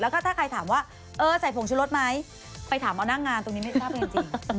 แล้วก็ถ้าใครถามว่าเออใส่ผงชุรสไหมไปถามเอาหน้างานตรงนี้ไม่ทราบกันจริง